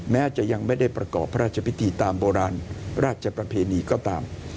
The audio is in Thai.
แม้จะยังไม่ได้ประกอบพระราชพิธีตามโบราณราชประเพณีก็ตาม